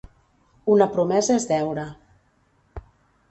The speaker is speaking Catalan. Una promesa és deure.